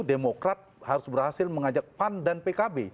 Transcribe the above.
demokrat harus berhasil mengajak pan dan pkb